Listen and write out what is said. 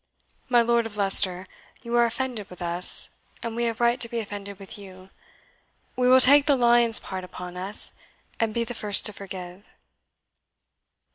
My Lord of Leicester, you are offended with us, and we have right to be offended with you. We will take the lion's part upon us, and be the first to forgive."